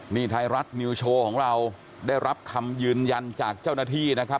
นี่ไทยรัฐนิวโชว์ของเราได้รับคำยืนยันจากเจ้าหน้าที่นะครับ